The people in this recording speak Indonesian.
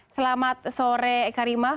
selamat sore eka rimah